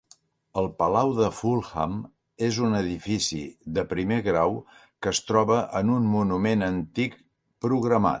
El palau de Fulham és un edifici de primer grau que es troba en un monument antic programat.